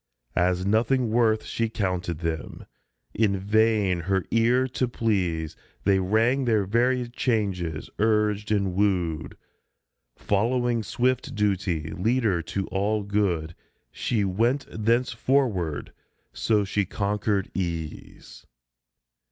As nothing worth She counted them ; in vain her ear to please They rang their varied changes, urged and wooed, Following swift Duty, leader to all good, She went thenceforward ; so she conquered Ease.